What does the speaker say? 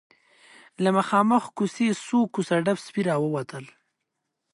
له مخامخ کوڅې څو کوڅه ډب سپي راووتل.